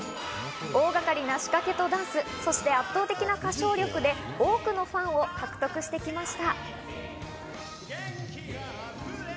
大掛かりな仕掛けとダンス、そして圧倒的な歌唱力で多くのファンを獲得してきました。